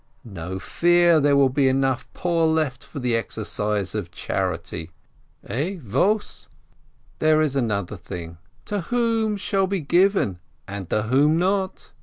No fear, there will be enough poor left for the exercise of charity. Ai wos ? There is another thing : to whom shall be given and to whom not?